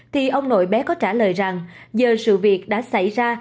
thì ông nội bé có trả lời rằng giờ sự việc đã xảy ra